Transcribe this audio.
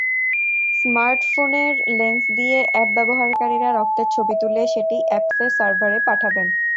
স্মার্টফোনের লেন্স দিয়ে অ্যাপ ব্যবহারকারীরা রক্তের ছবি তুলে সেটি অ্যাপসের সার্ভারে পাঠাবেন।